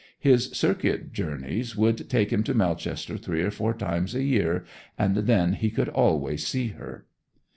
His circuit journeys would take him to Melchester three or four times a year; and then he could always see her.